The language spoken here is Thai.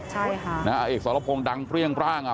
พระเอกสรพงษ์ดังเปรี้ยงปร้าง